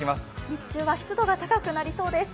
日中は湿度が高くなりそうです。